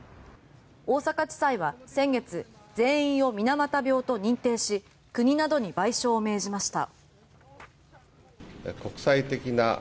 大阪地裁は先月全員を水俣病と認定し国などに賠償を命じました。